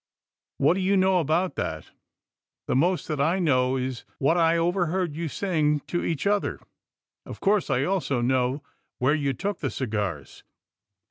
^^What do you know about that!" '^The most that I know is what I overheard you saying to each other. Of course I also know where you took the cigars."